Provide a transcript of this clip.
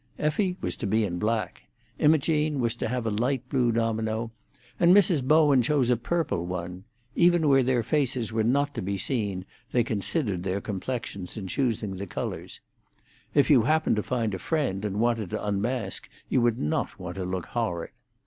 Effie was to be in black; Imogene was to have a light blue domino, and Mrs. Bowen chose a purple one; even where their faces were not to be seen they considered their complexions in choosing the colours. If you happened to find a friend, and wanted to unmask, you would not want to look horrid.